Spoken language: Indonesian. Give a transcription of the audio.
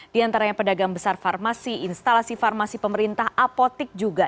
diantaranya pedagang besar farmasi instalasi farmasi pemerintah apotik juga